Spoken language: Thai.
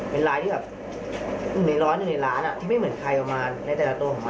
เป็นลายที่แบบในร้อนอยู่ในร้านที่ไม่เหมือนใครออกมาในแต่ละตัวของมัน